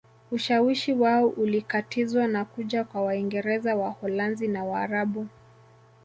Ushawishi wao ulikatizwa na kuja kwa Waingereza Waholanzi na Waarabu